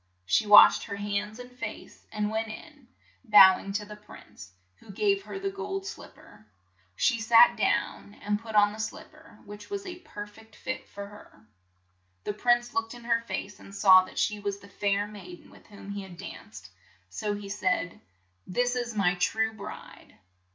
She washed her hands and face, and went in, bow ing to the prince, who gave her the gold slip per. She sat down and put on the slip per, which was a per feet fit for her. The prince looked in her face, and saw that she was the fair maid en with whom he had danced, so he said :'' This is my true bride